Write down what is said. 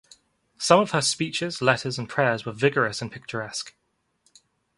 Some of her speeches, letters, and prayers were vigorous and picturesque.